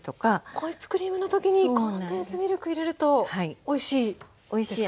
ホイップクリームの時にコンデンスミルク入れるとおいしいですか？